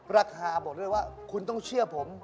ราคาบอกด้วยว่าคุณต้องเชื่อผม